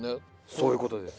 そういうことです。